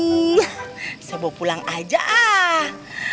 bisa bawa pulang aja ah